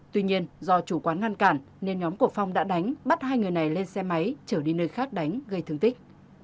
tuy nhiên do chủ quán ngăn cản nên nhóm của phong đã đánh bắt hai người này lên xe máy trở đi nơi khác đánh gây thương tích